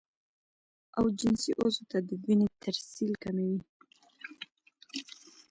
او جنسي عضو ته د وينې ترسيل کموي